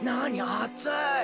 あつい。